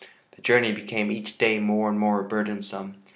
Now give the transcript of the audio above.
The journey became each day more and more burdensome.